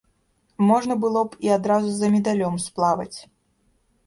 Можна было б і адразу за медалём сплаваць.